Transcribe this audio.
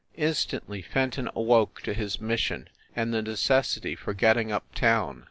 Instantly Fenton awoke to his mission, and the necessity for getting up town.